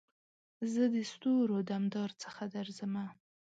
زه دستورو دمدار څخه درځمه